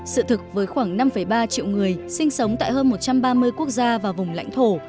sự thực với khoảng năm ba triệu người sinh sống tại hơn một trăm ba mươi quốc gia và vùng lãnh thổ